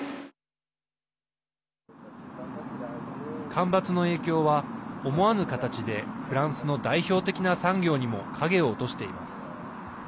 干ばつの影響は、思わぬ形でフランスの代表的な産業にも影を落としています。